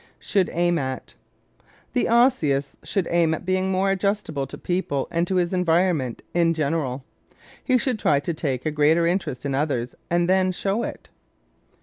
Should Aim At ¶ The Osseous should aim at being more adjustable to people and to his environment in general. He should try to take a greater interest in others and then show it.